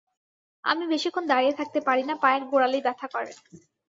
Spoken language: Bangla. আমি বেশিক্ষণ দাঁড়িয়ে থাকতে পারি না পায়ের গোড়ালি ব্যথা করে।